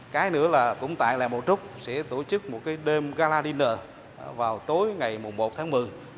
cái nữa là cũng tại làng bào trúc sẽ tổ chức một cái đêm gala dinner vào tối ngày mùa một tháng một mươi